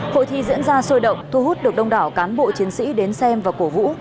hội thi diễn ra sôi động thu hút được đông đảo cán bộ chiến sĩ đến xem và cổ vũ